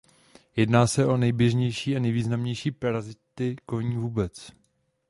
Jedná se o nejběžnější a nejvýznamnější parazity koní vůbec.